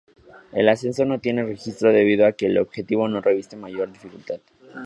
El ascenso no tiene registro, debido a que el objetivo no reviste mayor dificultad.